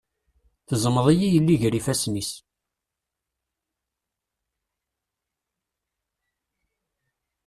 Teẓmeḍ -iyi yelli ger ifassen-is.